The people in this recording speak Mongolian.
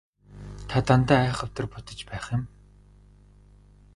Та дандаа айхавтар бодож байх юм.